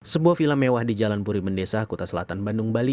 sebuah vila mewah di jalan puri mendesa kota selatan bandung bali